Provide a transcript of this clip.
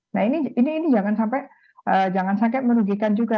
nah ini jangan sampai merugikan juga